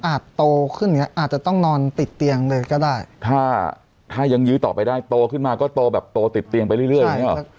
โตขึ้นอย่างเงี้อาจจะต้องนอนติดเตียงเลยก็ได้ถ้าถ้ายังยื้อต่อไปได้โตขึ้นมาก็โตแบบโตติดเตียงไปเรื่อยอย่างเงี้หรอ